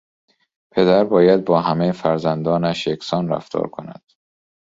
پدر باید با همهی فرزندانش یکسان رفتار کند.